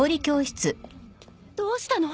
どうしたの？